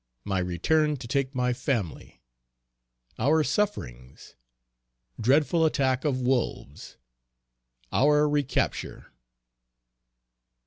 My return to take my family. Our sufferings. Dreadful attack of wolves. Our recapture.